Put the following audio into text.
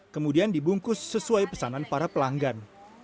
kemudian dibungkus sesuai pesanan para pelanggan